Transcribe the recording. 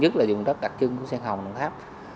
nhất là dùng đất đặc trưng của sen hồng đồng tháp